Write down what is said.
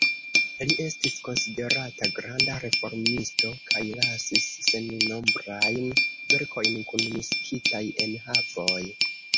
Li estis konsiderata granda reformisto kaj lasis sennombrajn verkojn kun mistikaj enhavoj.